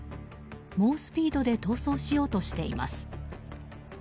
猛スピードで逃走しようとしています。